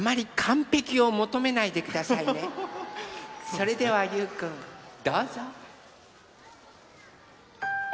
それではゆうくんどうぞ。